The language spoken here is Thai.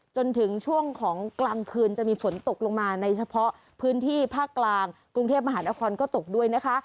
จนถึงช่วงของกลางคืนจะมีฝนตกลงมาในเฉพาะพื้นที่ภาคกลางกรุงเทพมหานครก็ตกด้วยนะคะ